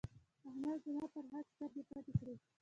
احمد زما پر حق سترګې پټې کړې.